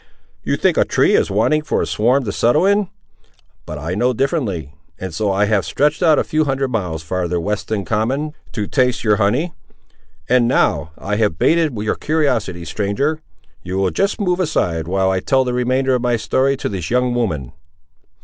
"You think a tree is wanting for a swarm to settle in! But I know differently; and so I have stretched out a few hundred miles farther west than common, to taste your honey. And, now, I have bated your curiosity, stranger, you will just move aside, while I tell the remainder of my story to this young woman."